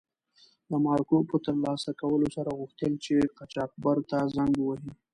د مارکو په تر لاسه کولو سره غوښتل چې قاچاقبر ته زنګ و وهي.